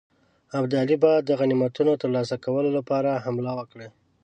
ابدالي به د غنیمتونو ترلاسه کولو لپاره حمله وکړي.